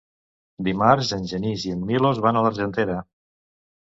Dimarts en Genís i en Milos van a l'Argentera.